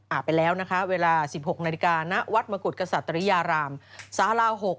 ไปแล้วนะคะเวลา๑๖นาฬิกาณวัดมกุฎกษัตริยารามสารา๖